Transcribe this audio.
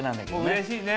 うれしいね。